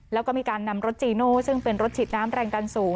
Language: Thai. แล้วก็มีการนำรถจีโน่ซึ่งเป็นรถฉีดน้ำแรงดันสูง